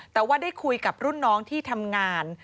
แต่ว่าได้คุยกับรุ่นน้องที่ทำงาน